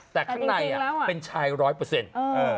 แต่ข้างในเป็นชายร้อยเปอร์เซ็นต์